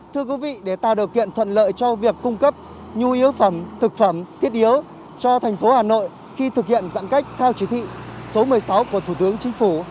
thiết yếu cho thành phố hà nội khi thực hiện giãn cách theo chỉ thị số một mươi sáu của thủ tướng chính phủ